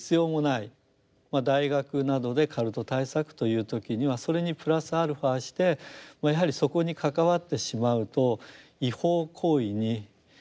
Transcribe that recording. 大学などでカルト対策という時にはそれにプラスアルファしてやはりそこに関わってしまうと違法行為に巻き込まれる。